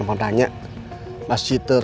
udah udah auto